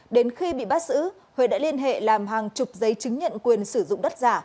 đến khi bị bắt giữ huế đã liên hệ làm hàng chục giấy chứng nhận quyền sử dụng đất giả